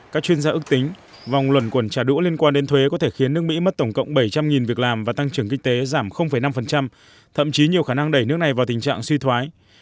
các chuyên gia ước tính vòng luận quẩn trả đũa liên quan đến thuế có thể khiến nước mỹ mất tổng cộng bảy trăm linh việc làm và tăng trưởng kinh tế giảm năm thậm chí nhiều khả năng đẩy nước này vào tình trạng suy thoái